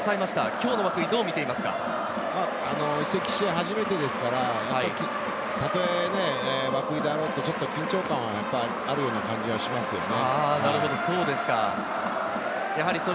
今日の涌井をどう見ていま移籍して初めてですから、たとえ涌井だろうと、ちょっと緊張感もあるような感じがしますよね。